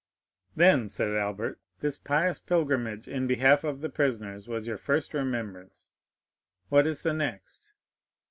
"Then," said Albert, "this pious pilgrimage in behalf of the prisoners was your first remembrance; what is the next?"